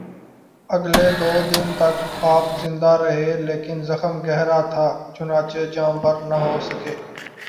اگلے دو دن تک آپ زندہ رہے لیکن زخم گہرا تھا، چنانچہ جانبر نہ ہو سکے